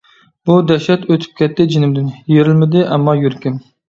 بۇ دەھشەت ئۆتۈپ كەتتى جېنىمدىن، يېرىلمىدى ئەمما يۈرىكىم.